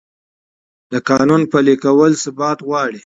د قانون پلي کول ثبات غواړي